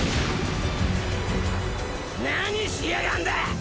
何しやがんだ！